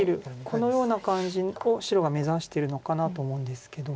このような感じを白が目指してるのかなと思うんですけど。